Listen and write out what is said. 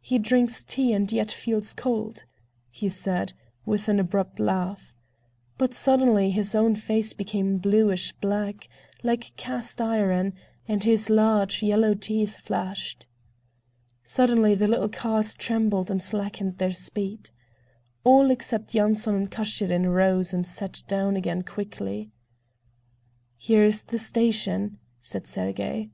He drinks tea, and yet feels cold," he said, with an abrupt laugh. But suddenly his own face became bluish black, like cast iron, and his large yellow teeth flashed. Suddenly the little cars trembled and slackened their speed. All, except Yanson and Kashirin, rose and sat down again quickly. "Here is the station," said Sergey.